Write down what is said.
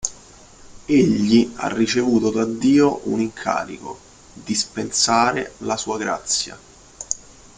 Egli ha ricevuto da Dio un incarico: "dispensare" la Sua grazia.